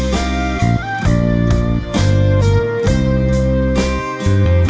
ค้าโอเค